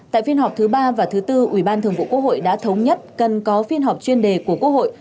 tại phiên họp thứ ba và thứ tư ubthqh đã thống nhất cần có phiên họp chuyên đề của quốc hội